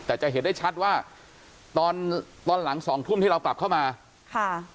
แต่จะเห็นได้ชัดว่าตอนตอนหลังสองทุ่มที่เรากลับเข้ามาค่ะ